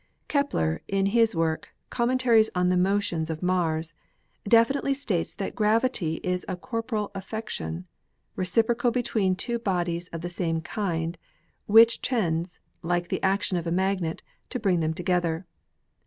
Kepler in his work, 'Commentaries on the Motions of Mars,' definitely states that gravity is a corporal affection, reciprocal between two bodies of the same kind, which tends, like the action of a magnet, to bring them together.